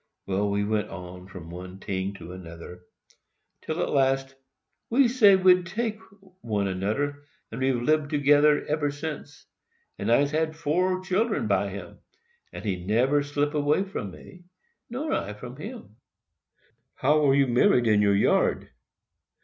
Well, so we went on from one ting to anoder, till at last we say we'd take one anoder, and so we've libed togeder eber since—and I's had four children by him—and he neber slip away from me, nor I from him." "How are you married in your yard?"